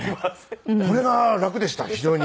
これが楽でした非常に。